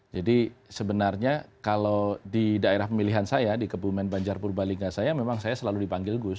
jadi sebenarnya kalau di daerah pemilihan saya di kebumen banjarpur bali enggak saya memang saya selalu dipanggil gus